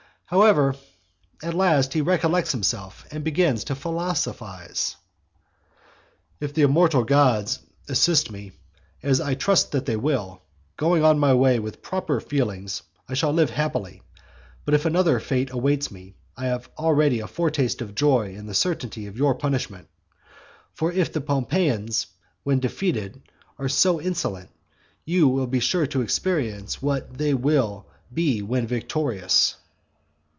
XX. However, at last he recollects himself and begins to philosophize. "If the immortal gods assist me, as I trust that they will, going on my way with proper feelings, I shall live happily; but if another fate awaits me, I have already a foretaste of joy in the certainty of your punishment. For if the Pompeians when defeated are so insolent, you will be sure to experience what they will be when victorious."